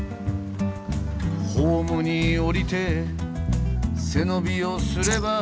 「ホームに降りて背伸びをすれば」